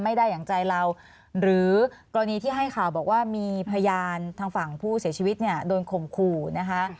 อย่างใจเราหรือกรณีที่ให้ข่าวบอกว่ามีพยานทางฝั่งผู้เสียชีวิตเนี่ยโดนข่มขู่นะคะ